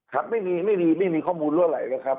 ครับไม่มีข้อมูลเรื้อไหลเลยครับ